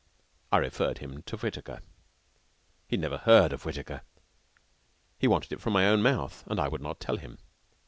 I referred him to Whittaker. He had never heard of Whittaker. He wanted it from my own mouth, and I would not tell him.